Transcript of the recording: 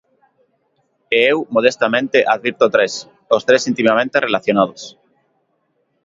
E eu modestamente advirto tres, os tres intimamente relacionados.